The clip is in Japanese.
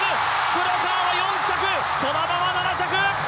黒川は４着、児玉は７着！